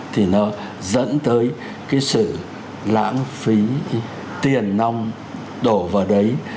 thì nó dẫn tới cái sự lãng phí tiền nông đổ vào đấy